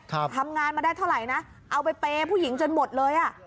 ทำงานมาได้เท่าไหร่นะเอาไปเปย์ผู้หญิงจนหมดเลยอ่ะ